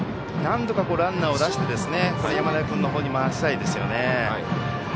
なんとかランナーを出して山田君のほうに回したいですよね。